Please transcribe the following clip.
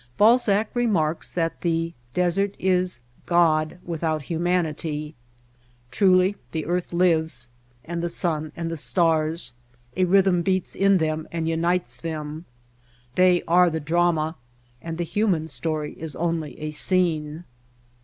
Balzac remarks that ''the desert is God without humanity." Truly the earth lives, and the sun and the stars, a rhythm beats in them and unites them. They are the drama and the human story is only a scene.